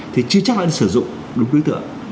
thì chưa chắc đã được sử dụng đúng đối tượng